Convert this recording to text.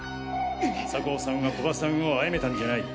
酒匂さんは古葉さんを殺めたんじゃない。